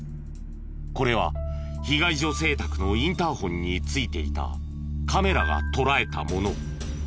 これは被害女性宅のインターホンに付いていたカメラが捉えたもの。